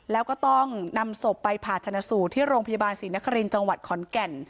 แล้วก็ต้องนำศพไปผ่าชนะสูตรที่โรงพยาบาลศรีนครินทร์จังหวัดขอนแก่น